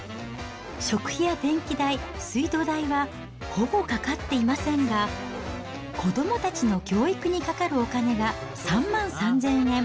食費や電気代、水道代はほぼかかっていませんが、子どもたちの教育にかかるお金が３万３０００円。